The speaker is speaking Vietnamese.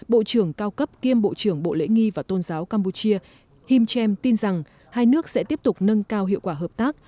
bộ trưởng cao cấp kiêm bộ trưởng bộ lễ nghi và tôn giáo campuchia him chem tin rằng hai nước sẽ tiếp tục nâng cao hiệu quả hợp tác